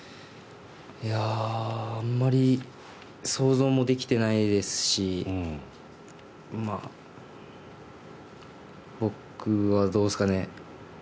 あんまり想像もできてないですし僕はどうですかね。